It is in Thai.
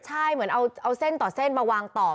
ใช่เหมือนเอาเส้นต่อเส้นมาวางต่อ